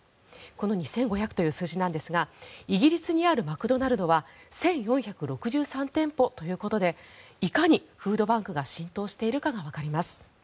この２５００という数字なんですがイギリスにあるマクドナルドは１４６３店舗ということでいかにフードバンクが浸透しているかがわかります。